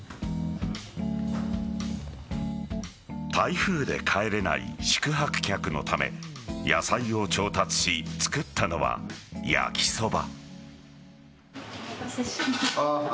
台風で帰れない宿泊客のため野菜を調達し作ったのは焼きそば。